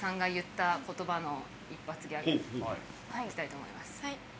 いきたいと思います。